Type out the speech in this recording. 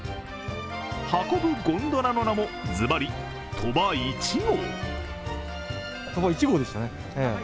運ぶゴンドラの名もズバリ「とば１号」